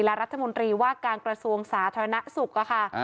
และรัฐมนตรีว่าการกระทรวงสาธารณสุขค่ะ